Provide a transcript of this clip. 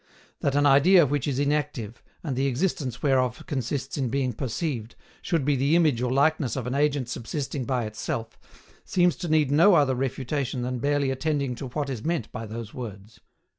That an idea which is inactive, and the existence whereof consists in being perceived, should be the image or likeness of an agent subsisting by itself, seems to need no other refutation than barely attending to what is meant by those words.